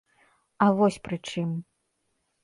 А вось пры чым.